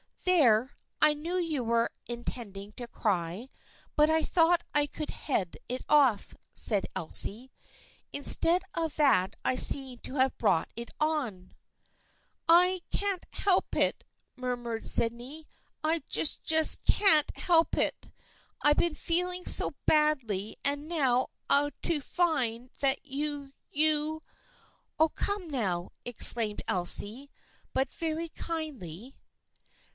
" There, I knew you were intending to cry, but I thought I could head it off," said Elsie. " In stead of that I seem to have brought it on." " I can't help it," murmured Sydney. " I j just c can't help it. I've been feeling so badly and now to f find that you — you "" Oh, come now !" exclaimed Elsie, but very kindly.